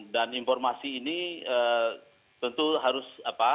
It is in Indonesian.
dan informasi ini tentu harus